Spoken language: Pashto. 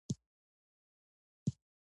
جورج برنارد شاو په پوګمالیون اثر کې دا ښيي.